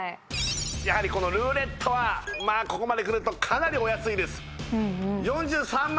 やはりこのルーレットはまあここまでくるとかなりお安いですうんうん４３万